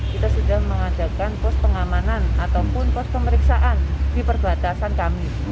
kita sudah mengadakan pos pengamanan ataupun pos pemeriksaan di perbatasan kami